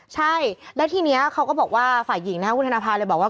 ใช่แล้วทีนี้เขาก็บอกว่าฝ่ายหญิงนะครับคุณธนภาเลยบอกว่า